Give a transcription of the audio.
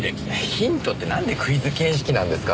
ヒントってなんでクイズ形式なんですか。